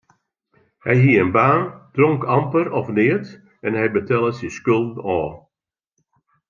Hy hie in baan, dronk amper of neat en hy betelle syn skulden ôf.